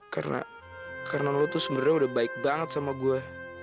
karena karena lo tuh sebenernya udah baik banget sama gue